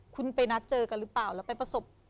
คุณไปนัดเจอกันหรือเปล่าแล้วไปประสบ